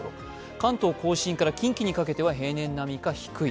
関東甲信から近畿にかけては平年並みか低い。